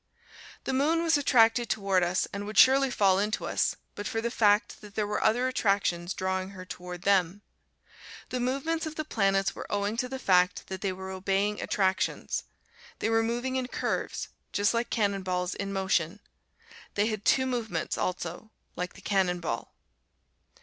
The moon was attracted toward us and would surely fall into us, but for the fact that there were other attractions drawing her toward them. The movements of the planets were owing to the fact that they were obeying attractions. They were moving in curves, just like cannon balls in motion. They had two movements, also, like the cannon ball.